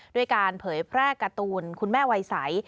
ด้วยการเผยแพร่การ์ตูนคุณแม่วัยใส